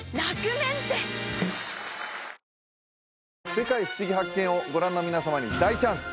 「世界ふしぎ発見！」をご覧の皆様に大チャンス！